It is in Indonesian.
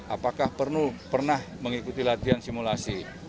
apakah pernah mengikuti latihan simulasi